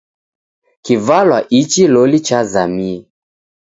Kivalwa ichi loli chazamie!